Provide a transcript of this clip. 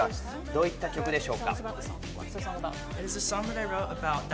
どういった曲でしょうか？